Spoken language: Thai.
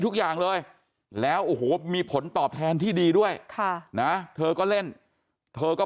ทุกอย่างเลยแล้วโอ้โหมีผลตอบแทนที่ดีด้วยค่ะนะเธอก็เล่นเธอก็